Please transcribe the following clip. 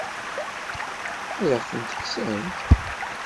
Ad aɣ-tent-tekksemt?